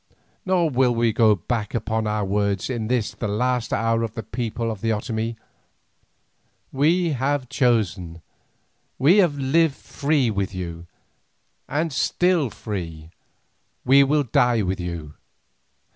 Nor will we go back upon our words in this the last hour of the people of the Otomie. We have chosen; we have lived free with you, and still free, we will die with you.